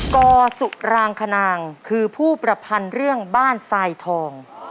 กสุรางคณางคือผู้ประพันธ์เรื่องบ้านทรายทอง